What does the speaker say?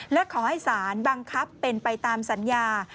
และขอให้สารบังคับเป็นไปตามสัญญา